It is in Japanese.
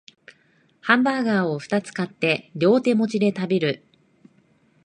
ハンバーガーをふたつ買って両手持ちで食べる